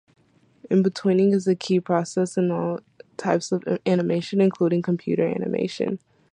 Inbetweening is a key process in all types of animation, including computer animation.